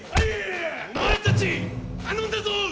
お前たち頼んだぞ！